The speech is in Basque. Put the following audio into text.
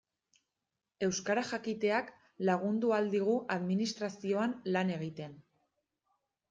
Euskara jakiteak lagundu ahal digu administrazioan lan egiten.